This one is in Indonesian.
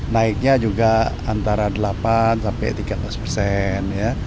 naiknya juga antara delapan sampai tiga belas persen